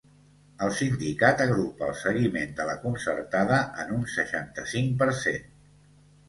El sindicat agrupa el seguiment de la concertada en un seixanta-cinc per cent.